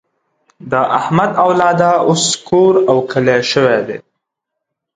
د احمد اولاده اوس کور او کلی شوې ده.